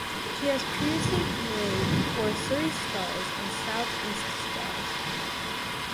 She has previously played for Surrey Stars and South East Stars.